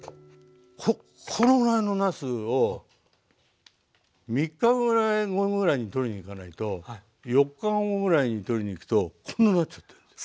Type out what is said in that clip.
このぐらいのなすを３日後ぐらいにとりに行かないと４日後ぐらいにとりに行くとこんなんなっちゃってんです。